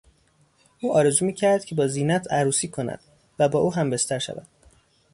او آرزو میکرد با زینت عروسی کند و با او همبستر شود.